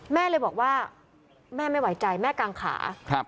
แม่เลยบอกว่าแม่ไม่ไหวใจแม่กางขา